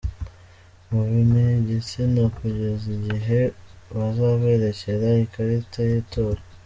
Mubime igitsina kugeza igihe bazaberekera ikarita y’itora.